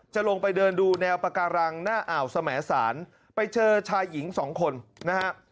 จะลงไปเดินดูแนวปาการังหน้าอ่าวสมสารไปเจอชายหญิงสองคนนะฮะ